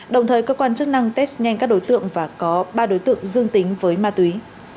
đồng thời cơ quan chức năng test nhanh các đối tượng và có ba đối tượng dương tính với ma túy